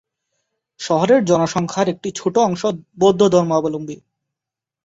শহরের জনসংখ্যার একটি ছোট অংশ বৌদ্ধ ধর্মাবলম্বী।